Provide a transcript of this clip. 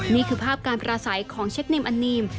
นี่คือภาพการประสัยของเชคนิมอันนีม